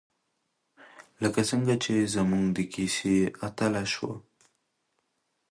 لکه څنګه چې زموږ د کیسې اتله شوه.